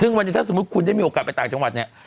ซึ่งวันนี้ถ้าสมมุติคุณได้มีโอกาสไปต่างจังหวัดเนี่ย